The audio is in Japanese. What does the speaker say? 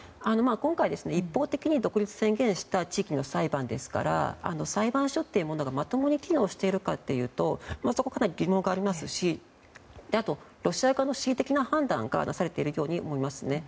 今回、一方的に独立宣言した地域の裁判ですから裁判所というものがまともに機能しているかというとそこはかなり疑問がありますしあと、ロシア側の恣意的な判断がなされているように思います。